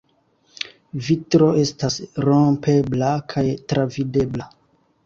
Vitro estas rompebla kaj travidebla.